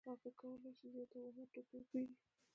هغه کولای شي زیات اومه توکي وپېري